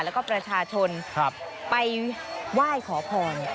แล้วก็ประชาชนไปไหว้ขอพร